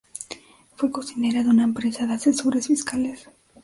Fue cocinera de una empresa de asesores fiscales.